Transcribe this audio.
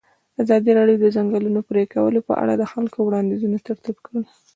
ازادي راډیو د د ځنګلونو پرېکول په اړه د خلکو وړاندیزونه ترتیب کړي.